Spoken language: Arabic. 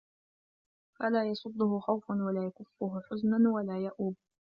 فَلَا يَصُدُّهُ خَوْفٌ وَلَا يَكُفُّهُ حُزْنٌ وَلَا يَئُوبُ